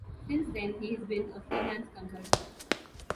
Since then, he has been a freelance consultant.